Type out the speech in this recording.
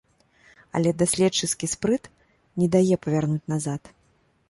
Але даследчыцкі спрыт не дае павярнуць назад.